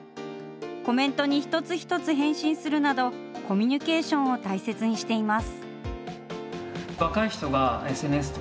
コメントに一つ一つ返信するなど、コミュニケーションを大切にしています。